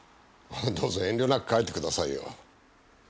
どうぞ遠慮なく書いてくださいよ。